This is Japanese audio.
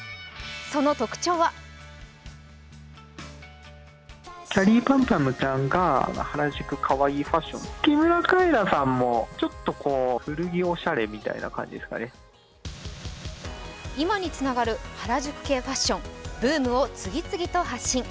その特徴は今につながる原宿系ファッション、ブームを次々に発信。